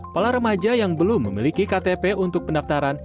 para remaja yang belum memiliki ktp untuk pendaftaran